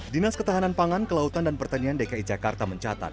dinas ketahanan pangan kelautan dan pertanian dki jakarta mencatat